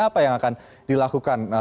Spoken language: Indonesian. apa yang akan dilakukan